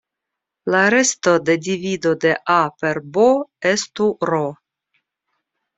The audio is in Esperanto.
La resto de divido de "a" per "b" estu "r".